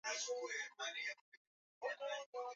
Ku matadi bitu bya kurya binaikalaka beyi chini